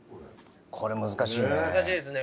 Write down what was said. これ難しいね。